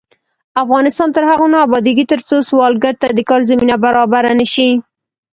افغانستان تر هغو نه ابادیږي، ترڅو سوالګر ته د کار زمینه برابره نشي.